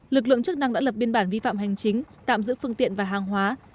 lực lượng chức năng đã lập biên bản vi phạm hành chính tạm giữ phương tiện và hàng hóa